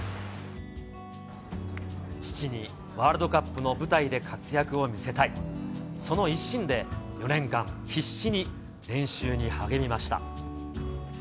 父にワールドカップの舞台で活躍を見せたい、その一心で、４年間、必死に練習に励みました。